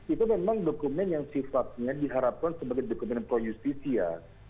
itu memang dokumen yang sifatnya diharapkan sebagai dokumen pro justisia